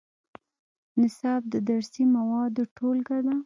نصاب د درسي موادو ټولګه ده